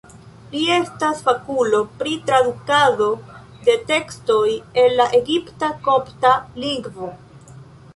Li estas fakulo pri tradukado de tekstoj el la egipta-kopta lingvo.